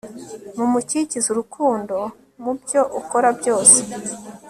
Mumukikize urukundo mubyo ukora byose